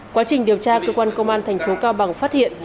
quá trình điều tra cơ quan công an thành phố cao bằng phát hiện